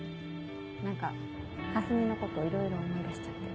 何かかすみのこといろいろ思い出しちゃって。